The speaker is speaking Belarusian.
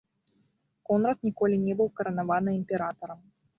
Конрад ніколі не быў каранаваны імператарам.